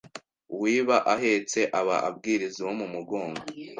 uwiba ahetse aba abwiriza uwo mu mugongo